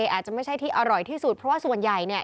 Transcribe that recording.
อาจจะไม่ใช่ที่อร่อยที่สุดเพราะว่าส่วนใหญ่เนี่ย